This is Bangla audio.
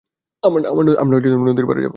আমার নদীর পাড়ে যাব।